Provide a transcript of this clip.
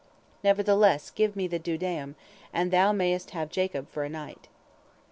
Nevertheless, give me the dudaim, and thou mayest have Jacob for a night.'